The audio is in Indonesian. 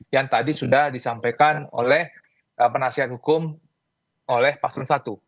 yang tadi sudah disampaikan oleh penasihat hukum oleh paslon satu